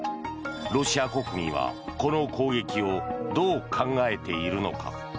ロシア国民は、この攻撃をどう考えているのか。